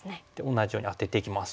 同じようにアテていきます。